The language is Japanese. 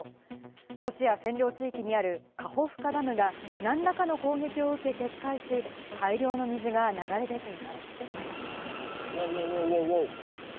ロシア占領地域にあるカホフカダムが何らかの攻撃を受け決壊し、大量の水が流れ出ています。